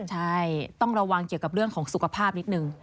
ใช่ต้องระวังเกี่ยวกับเรื่องของสุขภาพนิดนึง